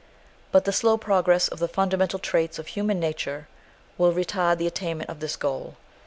But the slow progress of the fundamental traits of human nature will retard the attainment of this goal.